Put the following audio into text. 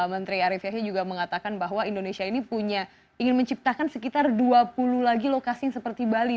menteri arief yahya juga mengatakan bahwa indonesia ini punya ingin menciptakan sekitar dua puluh lagi lokasi yang seperti bali